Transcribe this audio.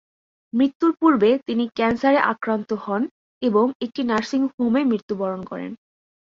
মৃত্যুর পূর্বে তিনি ক্যান্সারে আক্রান্ত হন এবং একটি নার্সিং হোমে মৃত্যুবরণ করেন।